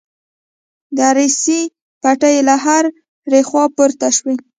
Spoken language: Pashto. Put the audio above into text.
د ارسي پټې له هرې خوا پورته شوې.